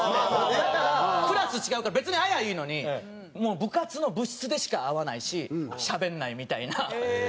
だからクラス違うから別に会えばいいのに部活の部室でしか会わないししゃべんないみたいなその。